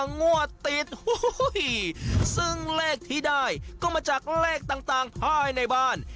งวดติดซึ่งเลขที่ได้ก็มาจากเลขต่างภายในบ้าน